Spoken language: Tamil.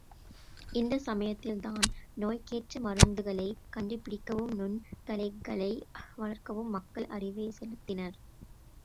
இந்தச் சமயத்தில் தான், நோய்க்கேற்ற மருந்துகளைக் கண்டு பிடிக்கவும் நுண் கலைகளை வளர்க்கவும் மக்கள் அறிவைச் செலுத்தினர்.